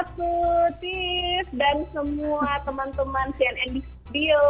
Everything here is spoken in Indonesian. dan semua teman teman cnn di studio